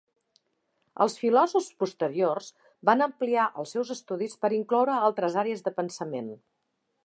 Els filòsofs posteriors van ampliar els seus estudis per incloure altres àrees de pensament.